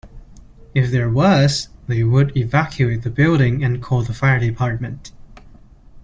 If there was, they would evacuate the building and call the fire department.